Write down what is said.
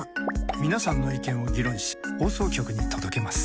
皆さんの意見を議論し放送局に届けます。